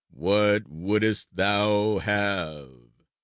"What wouldst thou have?"